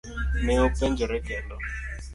Ne openjore kendo.